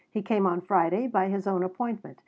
He came on Friday by his own appointment.